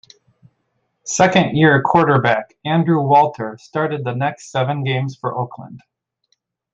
Second-year quarterback Andrew Walter started the next seven games for Oakland.